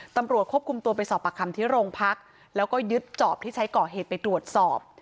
ตำรวจควบคุมตัวไปสอบประคำที่โรงพักแล้วก็ยึดจอบที่ใช้ก่อเหตุไปตรวจสอบ